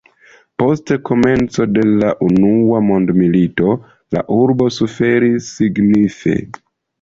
Post komenco de la Unua Mondmilito la urbo suferis signife.